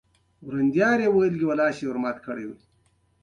په توپير د هندي مکتب يوه مهمه ځانګړنه ده